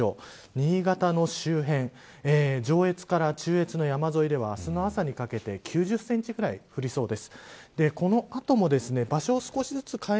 新潟の周辺上越から中越の山沿いでは明日の朝にかけて９０センチくらい降りそうです。